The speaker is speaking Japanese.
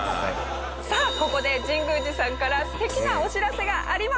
さあここで神宮寺さんから素敵なお知らせがあります！